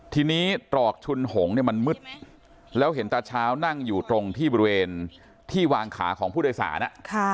ทีนี้ตรอกชุนหงเนี่ยมันมืดแล้วเห็นตาเช้านั่งอยู่ตรงที่บริเวณที่วางขาของผู้โดยสาร